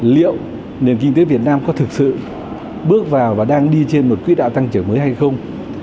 liệu nền kinh tế việt nam có thực sự bước vào và đang đi trên một quỹ đạo tăng trưởng mới hay không